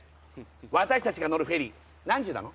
私達が乗るフェリー何時なの？